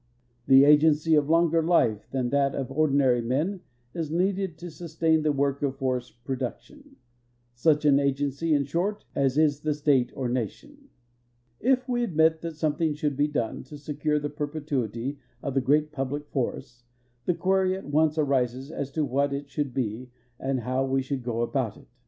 An agency of longer life than that of ordinary men is needed to sustain the work of forest production — such an agenc3^ in short, as is the state or nation. THE XA TIOXA L FO R EST R EsElt 1 7;.S' 1 85 If we admit that .something shouhl he done to seeure the per petuity of tlie great jtuldic forests, the (juery at onee arises as to what it should l)e and how we sliould go ahout it.